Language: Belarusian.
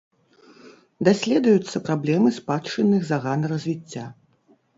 Даследуюцца праблемы спадчынных заган развіцця.